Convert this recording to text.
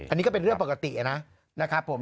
อันนี้ก็เป็นเรื่องปกตินะครับผม